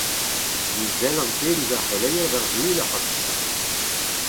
Ne sellan ket ouzh ar c’heleier d’ar Sul avat.